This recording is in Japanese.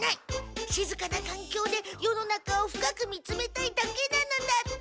しずかなかんきょうで世の中を深く見つめたいだけなのだ」って。